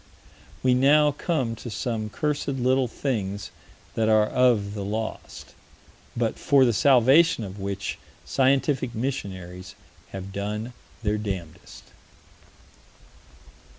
We now come to some "cursed" little things that are of the "lost," but for the "salvation" of which scientific missionaries have done their damnedest.